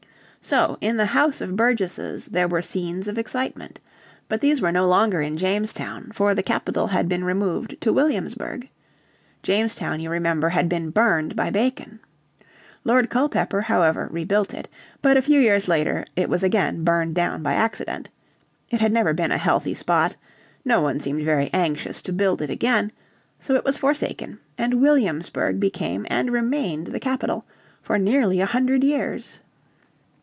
So in the House of Burgesses there were scenes of excitement. But these were no longer in Jamestown, for the capital had been removed to Williamsburg. Jamestown, you remember, had been burned by Bacon. Lord Culpeper however rebuilt it. But a few years later it was again burned down by accident. It had never been a healthy spot; no one seemed very anxious to build it again, so it was forsaken, and Williamsburg became and remained the capital for nearly a hundred years.